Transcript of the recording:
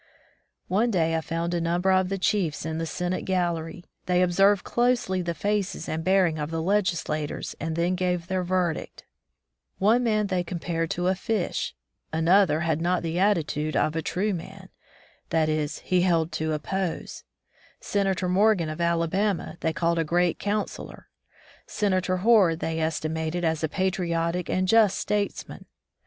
One day, I found a number of the chiefs in the Senate gallery. They observed closely the faces and bearing of the legislators and then gave their verdict. One man they com pared to a fish. Another had not the atti tude of a true man ; that is, he held to a pose. Senator Morgan of Alabama they called a great councillor. Senator Hoar they esti mated as a patriotic and just statesman.